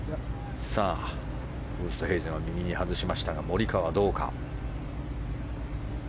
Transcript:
ウーストヘイゼンは右に外しましたがモリカワはどうか。